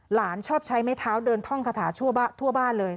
หลานชอบใช้ไม้เท้าเดินท่องคาถาทั่วบ้านเลย